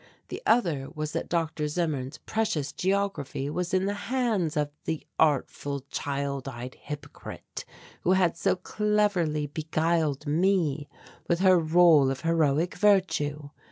The other was that Dr. Zimmern's precious geography was in the hands of the artful, child eyed hypocrite who had so cleverly beguiled me with her rôle of heroic virtue.